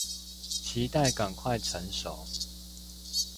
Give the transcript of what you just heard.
期待趕快成熟